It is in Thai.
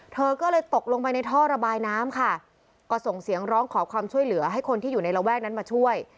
เธอก็เลยตกลงไปในท่อระบายน้ำค่ะก็ส่งเสียงร้องขอความช่วยเหลือให้คนที่อยู่ในระแวกนั้นมาช่วย